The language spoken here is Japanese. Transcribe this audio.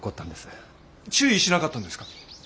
注意しなかったんですか？